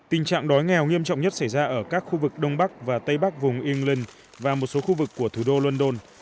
tình trạng đói nghèo nghiêm trọng nhất xảy ra ở các khu vực đông bắc và tây bắc vùng england và một số khu vực của thủ đô london